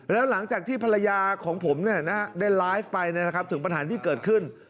แล้วหลังจากที่ภรรยาของผมเนี่ยนะได้ไลฟ์ไปเนี่ยนะครับถึงปัญหาที่เกิดขึ้น